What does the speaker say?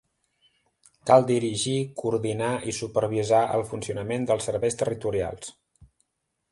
Cal dirigir, coordinar i supervisar el funcionament dels serveis territorials.